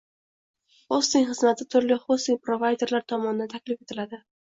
Hosting xizmati turli hosting provayderlar tomonidan taklif etiladi